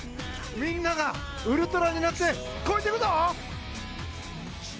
みんながウルトラになって超えてくぞ！